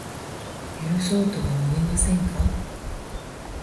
許そうとは思いませんか